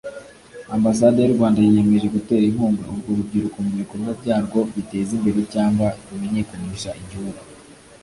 Ambasade y’u Rwanda yiyemeje gutera inkunga urwo rubyiruko mu bikorwa byarwo biteza imbere cyangwa bimenyekanisha igihugu